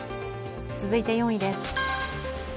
続いて４位です